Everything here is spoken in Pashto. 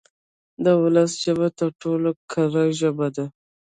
د ولس ژبه تر ټولو کره ژبه ده.